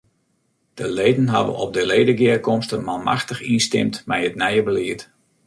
De leden hawwe op de ledegearkomste manmachtich ynstimd mei it nije belied.